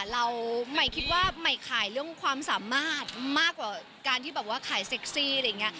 เราใหม่คิดว่าใหม่ขายเรื่องความสามารถมากกว่าการที่แบบว่าขายเซ็กซี่อะไรอย่างนี้